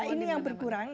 ini yang berkurang